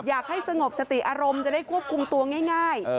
อยากให้สงบสติอารมณ์จะได้ควบคุมตัวง่าย